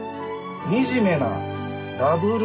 「惨めなダブル